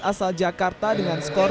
asal jakarta dengan skor dua puluh satu